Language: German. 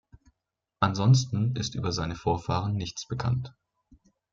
Ansonsten ist über seine Vorfahren nichts bekannt.